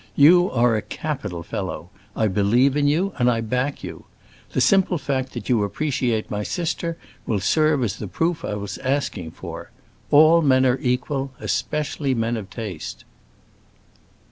You are a capital fellow; I believe in you and I back you. The simple fact that you appreciate my sister will serve as the proof I was asking for. All men are equal—especially men of taste!"